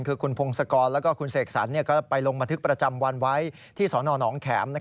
คือคุณพงศกรแล้วก็คุณเสกสรรก็ไปลงบันทึกประจำวันไว้ที่สนหนองแขม